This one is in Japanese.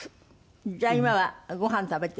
じゃあ今はごはん食べてるの？